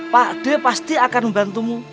pak d pasti akan membantumu